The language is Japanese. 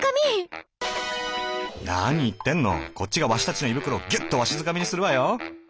何言ってんのこっちがワシたちの胃袋をギュッとわしづかみにするわよ！